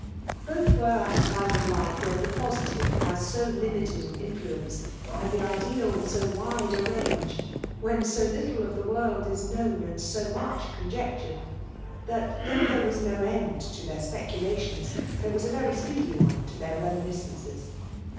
Both were at a time of life when the positive has so limited an influence, and the ideal so wide a range, — when so little of the world is 90 FEMALE DOMINATION. known and so much conjectured^ — that, though there was no end to their speculations^ there was a very speedy one to their reminisocncos.